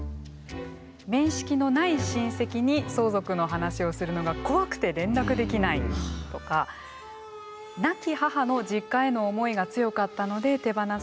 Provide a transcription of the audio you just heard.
「面識のない親戚に相続の話をするのが怖くて連絡できない」とか「亡き母の実家への思いが強かったので手放すことにためらい」がある。